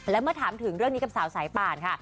และเมื่อถามถึงเรื่องนี้กับสาวสายป่านค่ะ